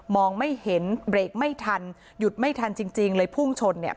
มองไม่เห็นเบรกไม่ทันหยุดไม่ทันจริงเลยพุ่งชน